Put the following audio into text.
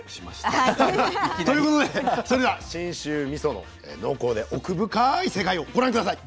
ということでそれでは信州みその濃厚で奥深い世界をご覧下さい。